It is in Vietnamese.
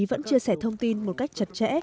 vẫn chia sẻ thông tin một cách chặt chẽ